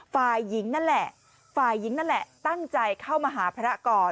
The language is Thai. ฝ่ายหญิงนั่นแหละฝ่ายหญิงนั่นแหละตั้งใจเข้ามาหาพระก่อน